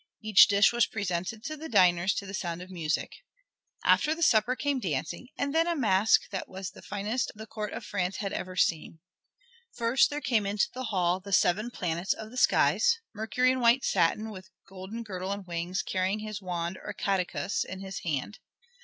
Each dish was presented to the diners to the sound of music. After the supper came dancing, and then a masque that was the finest the court of France had ever seen. First there came into the hall the seven planets of the skies, Mercury in white satin, with golden girdle and wings, carrying his wand, or caduceus, in his hand.